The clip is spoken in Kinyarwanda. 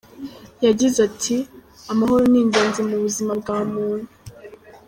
Yagize ati “Amahoro ni ingenzi mu buzima bwa muntu.